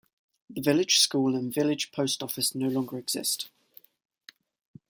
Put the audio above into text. The village school and village post office no longer exist.